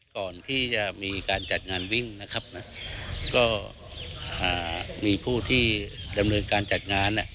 ก่อนที่จะมีการจัดงานวิ่งนะครับก็มีผู้ที่ดำเนินการจัดงาน